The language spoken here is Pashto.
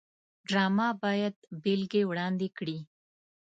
ډرامه باید بېلګې وړاندې کړي